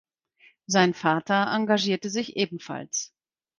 Sein Vater engagierte sich ebenfalls.